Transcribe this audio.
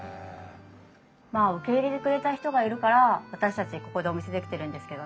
まあ受け入れてくれた人がいるから私たちここでお店できてるんですけどね。